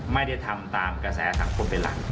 ไม่ได้ทำตามกระแสสังคมเป็นหลัก